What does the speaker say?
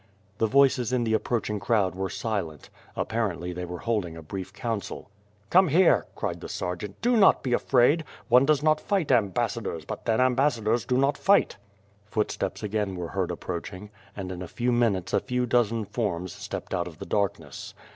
The voices in the approaching crowd were silent. Appar ently they w^ere holding a brief council. Come here," cried the sergeant, "do not be afraid, one does not fight ambassadors, but then ambassadors do not fight!" Footsteps again were heard approaching, and in a few min utes a few dozen forms stepped out of the darkness.